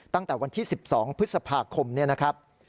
ตั้งแต่วันที่๑๒พฤษภาคมเนี่ยนะครับ